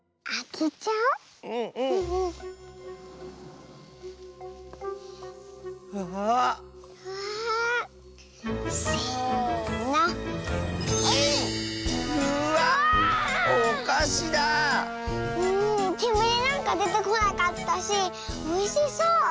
けむりなんかでてこなかったしおいしそう。